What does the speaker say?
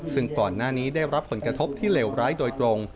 ซึ่งก่อนหน้านี้ได้รับผลกระทบที่เลวร้ายโดยตรง